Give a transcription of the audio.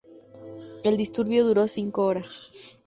El disturbio duró cinco horas.